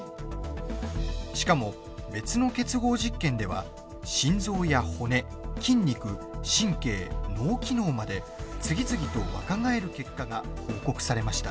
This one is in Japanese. しかも、別の結合実験では心臓や骨、筋肉、神経脳機能まで、次々と若返る結果が報告されました。